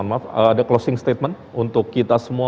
maaf ada closing statement untuk kita semua